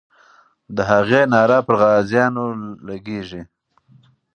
د هغې ناره پر غازیانو لګي.